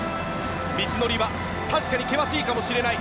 道のりは確かに険しいかもしれない。